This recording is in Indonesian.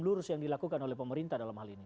lurus yang dilakukan oleh pemerintah dalam hal ini